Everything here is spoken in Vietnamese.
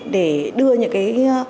để đưa những cái